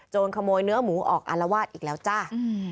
ขโมยเนื้อหมูออกอารวาสอีกแล้วจ้า